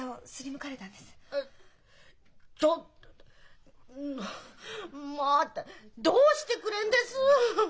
まああんたどうしてくれんです？